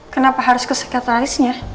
kenapa harus ke sekretarisnya